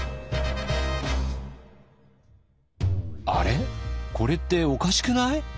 これっておかしくない？